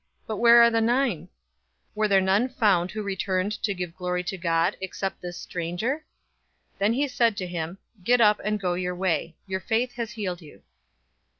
But where are the nine? 017:018 Were there none found who returned to give glory to God, except this stranger?" 017:019 Then he said to him, "Get up, and go your way. Your faith has healed you."